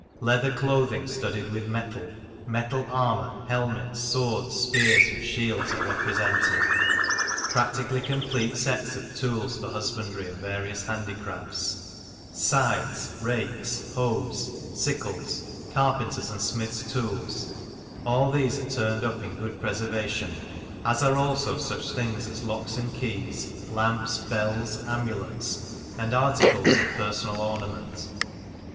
Leather clothing studded with metal, metal armour, helmets, swords, spears, and shields are represented. Practically complete sets of tools for husbandry and various handicrafts scythes, rakes, hoes, sickles, carpenters' and smiths' tools all these are turned up in good preservation; as are also such things as locks and keys, lamps, bells, amulets, and articles of personal ornament.